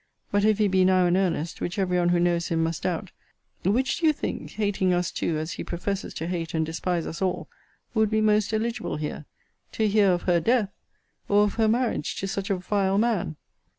But, if he be now in earnest, which every one who knows him must doubt, which do you think (hating us too as he professes to hate and despise us all) would be most eligible here, To hear of her death, or of her marriage to such a vile man?